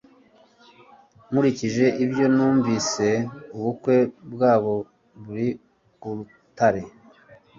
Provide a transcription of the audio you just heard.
Nkurikije ibyo numvise, ubukwe bwabo buri ku rutare